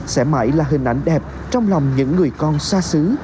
sẽ mãi là hình ảnh đẹp trong lòng những người con xa xứ